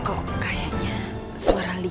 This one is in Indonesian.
kok kayaknya suara li ya